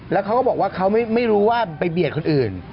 แล้วเขาก็บอกว่าเขาไม่รู้ว่าไปเบียดคนอื่น